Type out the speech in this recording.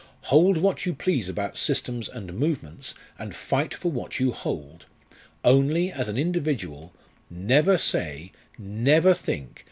'Hold what you please about systems and movements, and fight for what you hold; only, as an individual _never say never think!